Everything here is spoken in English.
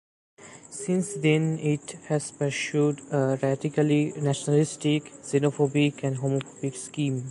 Since then, it has pursued a radically nationalistic, xenophobic and homophobic scheme.